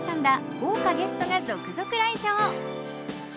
豪華ゲストが続々来場。